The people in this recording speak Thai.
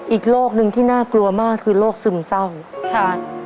อีกโรคนึงที่น่ากลัวมากคือโรคซึมเศร้าค่ะ